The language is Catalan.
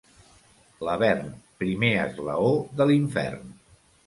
Lavern, primer esglaó de l'infern.